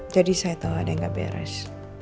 jadi saya tau ada yang gak beres